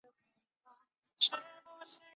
叙伊兹河畔讷伊。